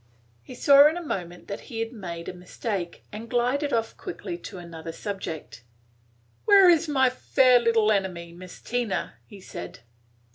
He saw in a moment that he had made a mistake, and glided off quickly to another subject. "Where 's my fair little enemy, Miss Tina?" he said.